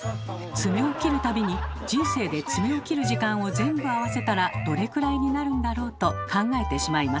爪を切る度に人生で爪を切る時間を全部合わせたらどれくらいになるんだろう？と考えてしまいます。